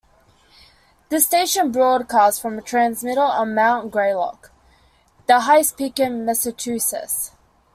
This station broadcasts from a transmitter on Mount Greylock, the highest peak in Massachusetts.